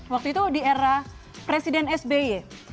waktu itu di era presiden sby